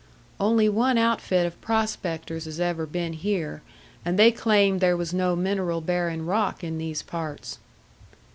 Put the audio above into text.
"Only one outfit of prospectors has ever been here, and they claimed there was no mineral bearing rock in these parts."